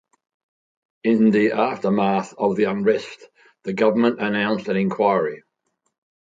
In the aftermath of the unrest the government announced an inquiry.